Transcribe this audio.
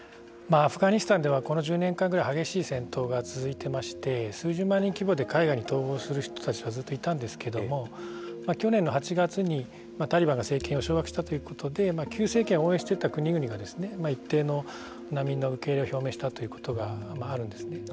アフガニスタンではこの１０年ぐらい激しい戦闘が続いてまして数十万人規模で海外に逃亡する人たちがずっといたんですけれども去年の８月にタリバンが政権を掌握したということで旧政権を応援していた国々が一定の難民の受け入れを表明したということがあるんですね。